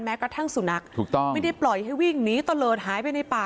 กระทั่งสุนัขถูกต้องไม่ได้ปล่อยให้วิ่งหนีตะเลิศหายไปในป่า